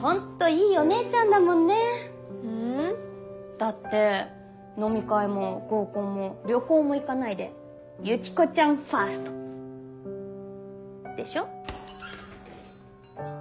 だって飲み会も合コンも旅行も行かないでユキコちゃんファースト。でしょ？